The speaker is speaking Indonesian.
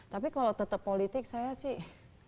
tapi kalau tetap politik saya sih